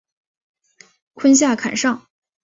坤下坎上。